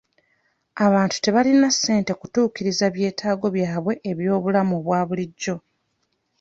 Abantu tebalina ssente kutuukiriza byetaago byabwe eby'obulamu obwa bulijjo.